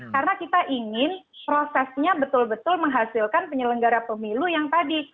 karena kita ingin prosesnya betul betul menghasilkan penyelenggara pemilu yang tadi